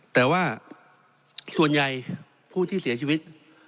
แต่ว่าส่วนใหญ่ผู้ที่เสียชีวิต